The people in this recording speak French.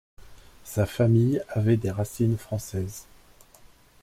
Sa famille avait des racines françaises.